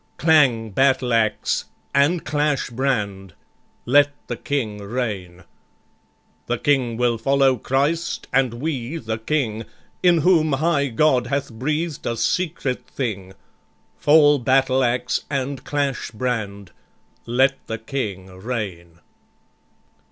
Clang battle axe, and clash brand! Let the King reign. "The King will follow Christ, and we the King, In whom high God hath breathed a secret thing. Fall battle axe, and clash brand! Let the King reign."